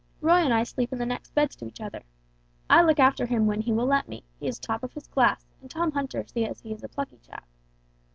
Roy and I sleep in the next beds to each other. I look after him when he will let me, he is top of his class and Tom Hunter says he is a plucky chap.